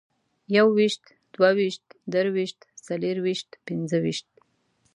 يوويشت، دوه ويشت، درویشت، څلرويشت، پنځه ويشت